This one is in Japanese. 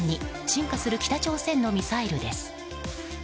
進化する北朝鮮のミサイルです。